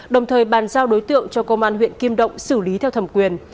đồng thời bàn giao đối tượng cho công an huyện kim động xử lý theo thẩm quyền